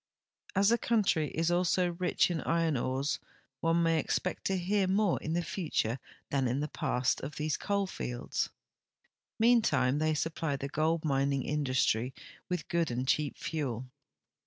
As the country is also rich in iron ores, one ma}'' expect to hear more in the future than in the ])ast of these coal fields. Meantime thei' supply the gold mining industiy with good and cheap fuel.